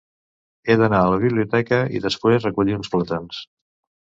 He d'anar a la biblioteca i després recollir uns plàtans.